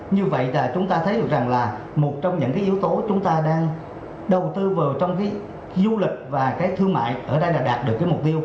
như vậy là chúng ta thấy được rằng là một trong những cái yếu tố chúng ta đang đầu tư vào trong cái du lịch và cái thương mại ở đây là đạt được cái mục tiêu